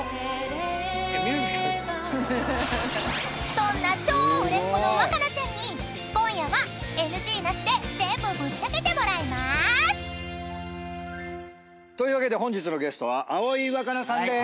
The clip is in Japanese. ［そんな超売れっ子のわかなちゃんに今夜はＮＧなしで全部ぶっちゃけてもらいまーす］というわけで本日のゲストは葵わかなさんでーす。